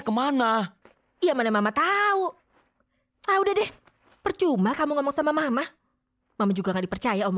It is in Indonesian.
sampai jumpa di video selanjutnya